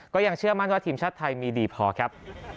ก็ยังเชื่อมั่นว่าทีมชาติไทยมีดีพอครับ